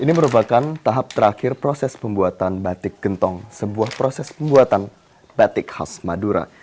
ini merupakan tahap terakhir proses pembuatan batik gentong sebuah proses pembuatan batik khas madura